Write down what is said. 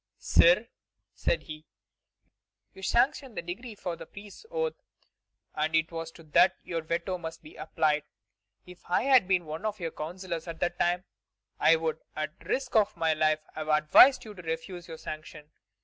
"Sire," said he, "you sanctioned the decree for the priests' oath, and it is to that your veto must be applied. If I had been one of your counsellors at the time, I would, at the risk of my life, have advised you to refuse your sanction.